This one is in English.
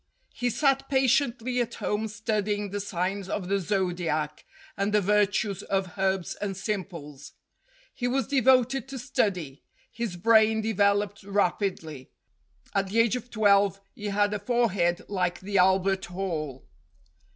He sat patiently at home studying the signs of the zodiac and the virtues of herbs and sim ples. He was devoted to study. His brain developed rapidly. At the age of twelve he had a forehead like the Albert Hall.